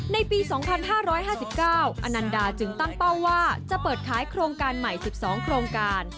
ในปี๒๕๕๙อนันดาจึงตั้งเป้าว่าจะเปิดขายโครงการใหม่๑๒โครงการ